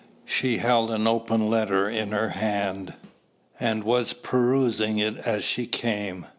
She held an open letter in her hand, and was perusing it as she came.